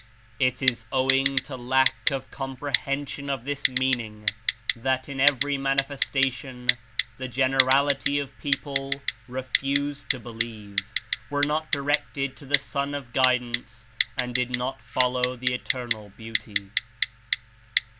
It Is owing to lack of comprehension of this meaning, that in every Manifestation the generality of people refused to believe; were not directed to the Sun of Guidance and did not follow the Eternal Beauty."